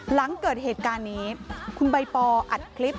หลังเกิดเหตุการณ์นี้คุณใบปออัดคลิป